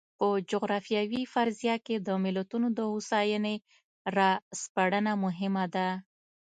په جغرافیوي فرضیه کې د ملتونو د هوساینې را سپړنه مهمه ده.